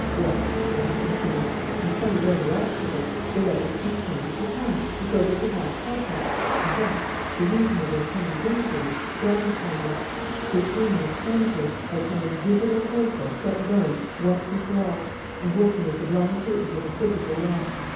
"Well," Perenna continued, "in spite of every obstacle, the letters continued to come, as though they could not help it. And thus the reason of their coming gradually dawned upon me: they came mechanically, by some invisible process set going once and for all and working with the blind certainty of a physical law.